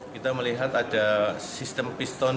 kita melihat ada sistem pistone